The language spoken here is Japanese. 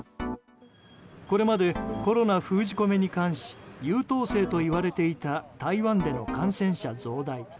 これまで、コロナ封じ込めに関し優等生といわれていた台湾での感染者増大。